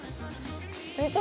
めっちゃ。